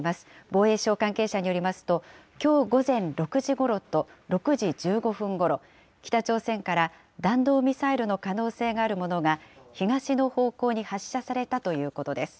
防衛省関係者によりますと、きょう午前６時ごろと６時１５分ごろ、北朝鮮から弾道ミサイルの可能性があるものが、東の方向に発射されたということです。